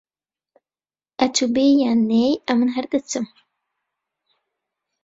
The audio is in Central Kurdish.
ئەتوو بێی یان نەهێی، ئەمن هەر دەچم.